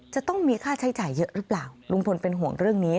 จะต้องมีค่าใช้จ่ายเยอะหรือเปล่าลุงพลเป็นห่วงเรื่องนี้